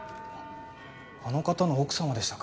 あの方の奥様でしたか。